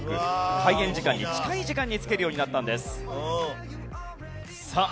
開園時間に近い時間に着けるようになったんです。